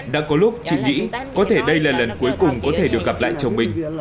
đã có lúc chị nghĩ có thể đây là lần cuối cùng có thể được gặp lại chồng mình